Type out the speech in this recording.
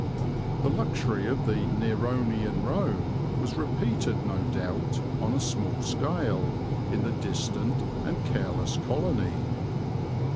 The luxury of Neronian Rome was repeated no doubt, on a small scale, in the distant and careless colony.